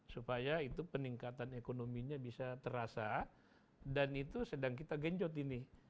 supaya itu peningkatan ekonominya bisa terasa dan itu sedang kita genjot ini